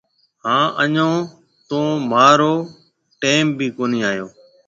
هانَ اَڃون تو مهارو ٽيم ڀِي ڪونهي آيو هيَ۔